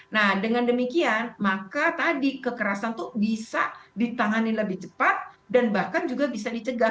nah dengan demikian maka tadi kekerasan itu bisa ditangani lebih cepat dan bahkan juga bisa dicegah